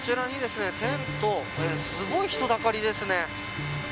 すごい、人だかりですね。